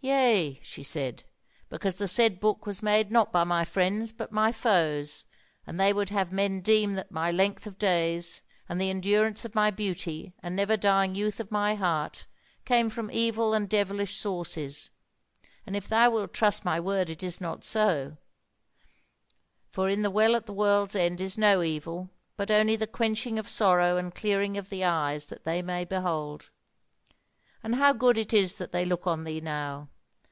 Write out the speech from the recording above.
"Yea," she said, because the said book was made not by my friends but my foes, and they would have men deem that my length of days and the endurance of my beauty and never dying youth of my heart came from evil and devilish sources; and if thou wilt trust my word it is not so, for in the Well at the World's End is no evil, but only the Quenching of Sorrow, and Clearing of the Eyes that they may behold. And how good it is that they look on thee now.